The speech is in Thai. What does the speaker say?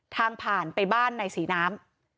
ทางผ่านไปบ้านนายศรีน้ำ